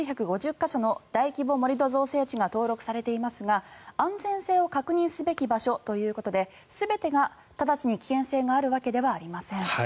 か所の大規模盛土造成地が登録されていますが、安全性を確認すべき場所ということで全てが直ちに危険性があるわけではありません。